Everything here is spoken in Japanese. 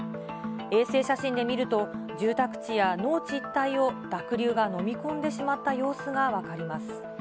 衛星写真で見ると、住宅地や農地一帯を濁流が飲み込んでしまった様子が分かります。